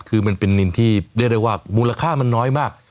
คือมันเป็นนินที่เรียกได้ว่ามูลค่ามันน้อยมาก